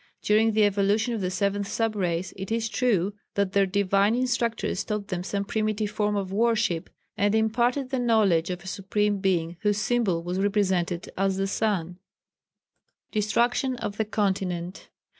During the evolution of the seventh sub race, it is true that their divine instructors taught them some primitive form of worship and imparted the knowledge of a Supreme Being whose symbol was represented as the Sun. [Sidenote: Destruction of the Continent.